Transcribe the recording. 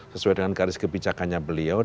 sesuai dengan garis kebijakannya beliau